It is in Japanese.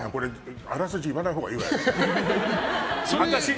あらすじ言わないほうがいいわね。